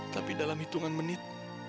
tapi dalam hitungan menit